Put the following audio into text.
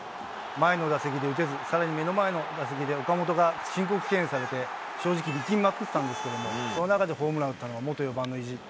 前の打席で打てず、さらに目の前の打席で岡本が申告敬遠されて、正直、力みもあったんですけど、その中でホームランを打ったのは、元４番の意地。